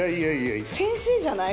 先生じゃない？